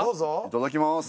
いただきます。